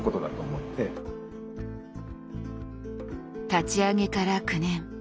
立ち上げから９年。